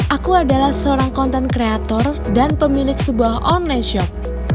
aku adalah seorang konten kreator dan pemilik sebuah online shop